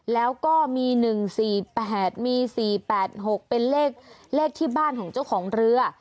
แล้วก็มี๑๔๘มี๔๘๖เป็นเลขที่บ้านของเจ้าของเรือ